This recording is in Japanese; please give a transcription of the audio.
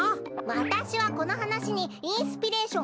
わたしはこのはなしにインスピレーションをえたの！